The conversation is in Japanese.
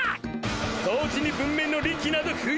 掃除に文明の利器など不要だ！